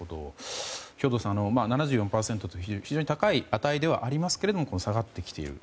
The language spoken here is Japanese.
兵頭さん、７４％と非常に高い値ではありますが下がってきている。